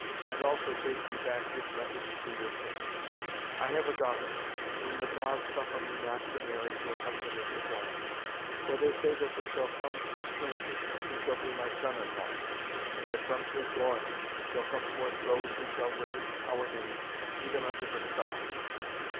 And also take ye back this message to your king. I have a daughter, whom the Gods suffer me not to marry to a husband of this land. For they say that there shall come a stranger who shall be my son in law, and that from his loins shall come forth those who shall raise our name even unto the stars."